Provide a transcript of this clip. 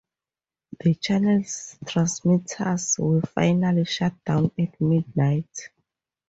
The channel's transmitters were finally shut down at midnight.